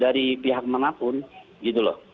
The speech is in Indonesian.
dari pihak manapun gitu loh